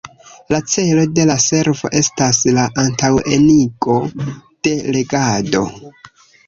La celo de la servo estas la antaŭenigo de legado.